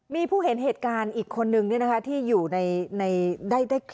มีผู้เห็นเหตุการณ์อีกคนนึงนี่นะคะที่อยู่ในใดได้เห็นนะครับ